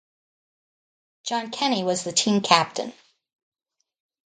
John Kenny was the team captain.